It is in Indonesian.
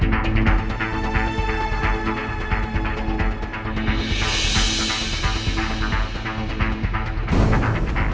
oke pak susu randif